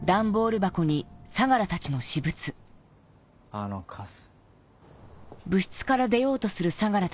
あのカス。